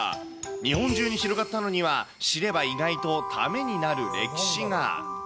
日本中に広がったのには知れば意外とためになる歴史が。